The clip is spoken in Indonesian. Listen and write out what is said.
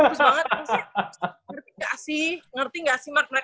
maksudnya ngerti nggak sih ngerti nggak sih mereka bilang